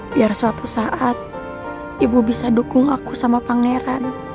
biar suatu saat ibu bisa dukung aku sama pangeran